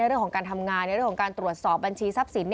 เรื่องของการทำงานในเรื่องของการตรวจสอบบัญชีทรัพย์สิน